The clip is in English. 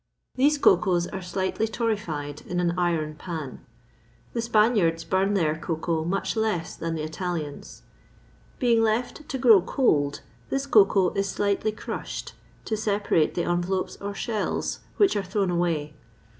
These cocoas are slightly torrefied in an iron pan. The Spaniards burn their cocoa much less than the Italians. Being left to grow cold, this cocoa is slightly crushed, to separate the envelopes or shells, which are thrown away.